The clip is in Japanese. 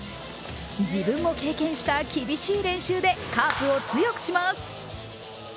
自分も経験した厳しい練習でカープを強くします。